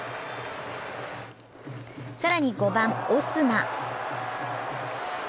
更に５番・オスナ。